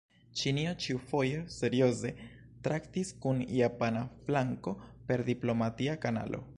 Ĉinio ĉiufoje serioze traktis kun japana flanko per diplomatia kanalo.